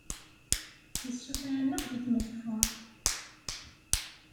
Yessuter-aneɣ-d ad t-neḍfer.